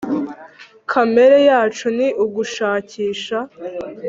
kamere yacu ni ugushakisha